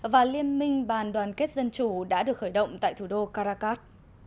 và liên minh bàn đoàn kết dân chủ đã được khởi động tại thủ đô caracas